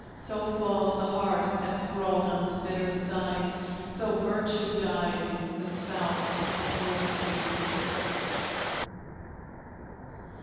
So falls the heart at Thraldom's bitter sigh; So Virtue dies, the spouse of Liberty!